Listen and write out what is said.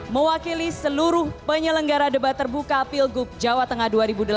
mewakili seluruh penyelenggara debat terbuka pilgub jawa tengah dua ribu delapan belas